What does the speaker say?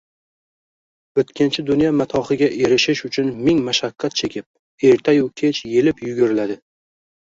o‘tkinchi dunyo matohiga erishish uchun ming mashaqqat chekib, ertayu kech yelib-yuguriladi.